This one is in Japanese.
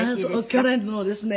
去年のですね。